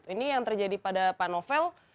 ini yang terjadi pada pak novel